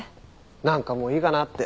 なんかもういいかなって。